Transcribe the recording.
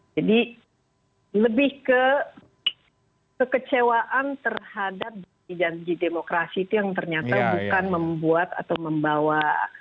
jadi lebih ke kekecewaan terhadap di jantiji demokrasi itu yang ternyata bukan membuat atau membawa